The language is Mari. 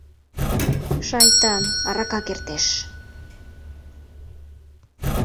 Шайтан, арака кертеш.